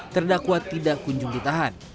terdakwa tidak ditahan